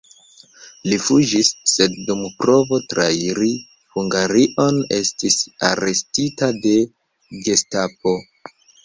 Li fuĝis, sed dum provo trairi Hungarion estis arestita de Gestapo.